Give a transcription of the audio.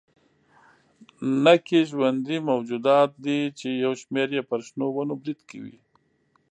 نکي ژوندي موجودات دي چې یو شمېر یې پر شنو ونو برید کوي.